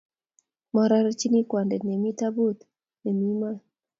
Mororejin kwendet nemi tabut nemi maat